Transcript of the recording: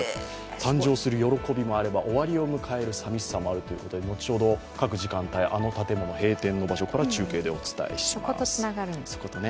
誕生する喜びもあれば、終わりを迎える寂しさもあるということで、後ほどあの場所から中継でお伝えします。